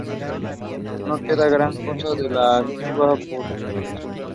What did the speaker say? No queda gran cosa de la antigua fortificación.